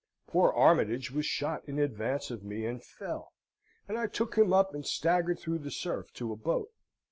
Poor Armytage was shot in advance of me, and fell; and I took him up and staggered through the surf to a boat.